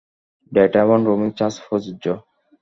Data এবং roaming charge প্রযোজ্য।